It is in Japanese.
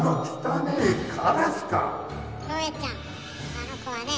あの子はね